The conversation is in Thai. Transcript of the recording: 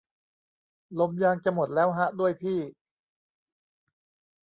ลมยางจะหมดแล้วฮะด้วยพี่